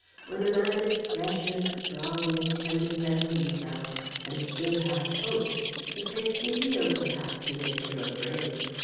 When a man is fresh and strong, and can defend himself, and still has hopes, it takes a deal, perhaps, to make him afraid.